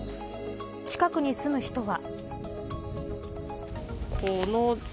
近くに住む人は。